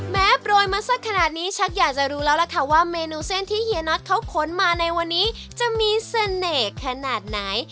โปรยมาสักขนาดนี้ชักอยากจะรู้แล้วล่ะค่ะว่าเมนูเส้นที่เฮียน็อตเขาขนมาในวันนี้จะมีเสน่ห์ขนาดไหน